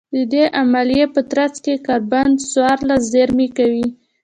د دې عملیې په ترڅ کې کاربن څوارلس زېرمه کوي